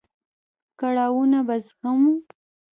کړاوونه به زغمو.